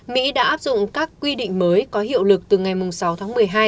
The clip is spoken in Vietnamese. mỹ đã áp dụng các quy định mới có hiệu lực từ ngày sáu tháng một mươi hai